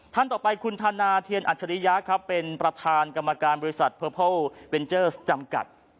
ท่านต่อไปคุณทานาเทียนอัชริยะครับเป็นประทานกรรมการบริษัทจำกัด